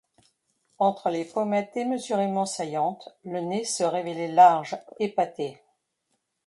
Entre les pommettes démesurément saillantes, le nez se révélait large, épaté.